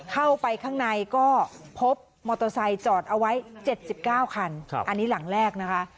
เข้าไปข้างในก็พบมอเตอร์ไซค์จอดเอาไว้๗๙คันอันนี้หลังแรกนะคะ